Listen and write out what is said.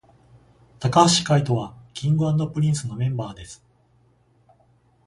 髙橋海人は King & Prince のメンバーです